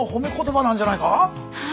はい。